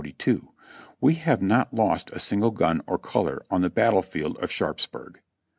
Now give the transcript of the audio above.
We have not lost a single gim or color on the battle field of Sharps burg."